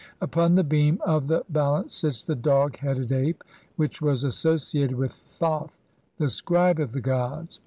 Upon the beam of the ba lance sits the dog headed ape which was associated with Thoth, the scribe of the gods.